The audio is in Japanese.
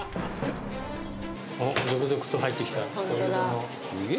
おっ続々と入ってきたよ